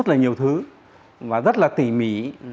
rất là nhiều thứ và rất là tỉ mỉ